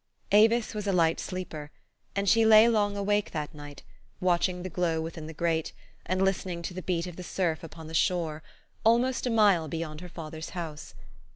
Avis was a light sleeper, and she lay long awake that night, watching the glow within the grate, and listening to the beat of the surf upon the shore, al THE STORY OF AVIS. 35 most a mile beyond her father's house.